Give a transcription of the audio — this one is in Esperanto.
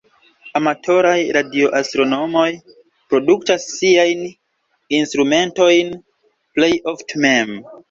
Amatoraj-Radioastronomoj produktas siajn instrumentojn plej ofte mem.